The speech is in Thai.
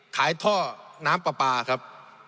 ขายท่อน้ำปลาครับ